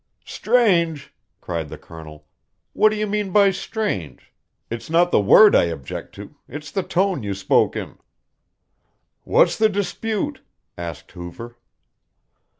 "Strange," cried the Colonel, "what do you mean by strange it's not the word I object to, it's the tone you spoke in." "What's the dispute?" asked Hoover.